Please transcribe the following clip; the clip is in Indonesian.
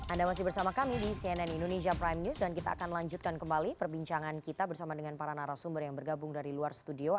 anda masih bersama kami di cnn indonesia prime news dan kita akan lanjutkan kembali perbincangan kita bersama dengan para narasumber yang bergabung dari luar studio